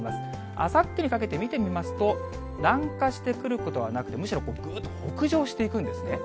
あさってにかけて見てみますと、南下してくることはなくて、むしろ、ぐーっと北上していくんですね。